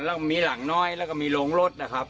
แล้วก็มีหลังน้อยแล้วก็มีโรงรถนะครับ